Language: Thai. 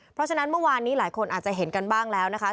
เพราะฉะนั้นเมื่อวานนี้หลายคนอาจจะเห็นกันบ้างแล้วนะคะ